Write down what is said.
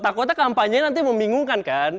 takutnya kampanye nanti membingungkan kan